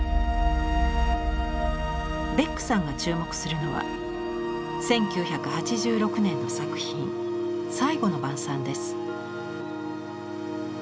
ベックさんが注目するのは１９８６年の作品「最後の晩餐」です。